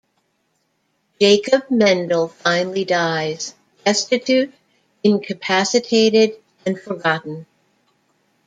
Jacob Mendel finally dies, destitute, incapacitated and forgotten.